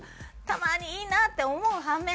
たまにいいなって思う反面